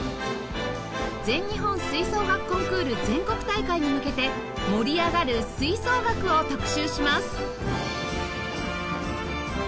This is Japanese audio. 全日本吹奏楽コンクール全国大会に向けて盛り上がる吹奏楽を特集します